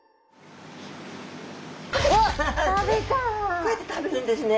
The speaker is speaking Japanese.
こうやって食べるんですね。